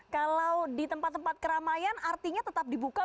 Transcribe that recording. kalau di tempat tempat keramaian artinya tetap dibuka